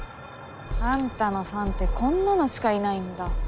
あんたのファンってこんなのしかいないんだ。